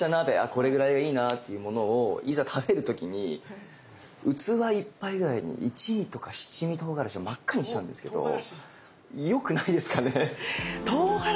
これぐらいがいいなというものをいざ食べる時に器いっぱいぐらいに一味とか七味とうがらしで真っ赤にしちゃうんですけどよくないですかね？